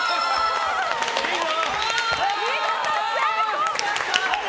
見事、成功！